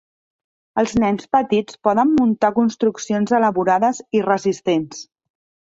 Els nens petits poden muntar construccions elaborades i resistents.